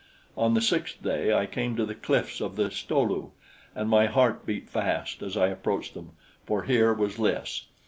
On the sixth day I came to the cliffs of the Sto lu, and my heart beat fast as I approached them, for here was Lys.